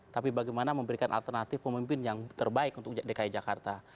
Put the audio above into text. tapi bagaimana memberikan alternatif pemimpin yang terbaik untuk dki jakarta